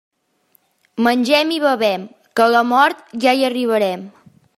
Mengem i bevem, que a la mort ja hi arribarem.